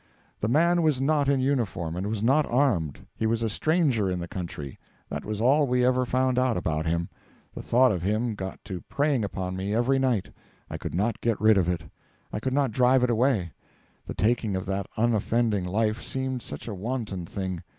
The man was not in uniform, and was not armed. He was a stranger in the country; that was all we ever found out about him. The thought of him got to preying upon me every night; I could not get rid of it. I could not drive it away, the taking of that unoffending life seemed such a wanton thing.